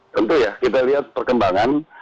tentu ya kita lihat perkembangan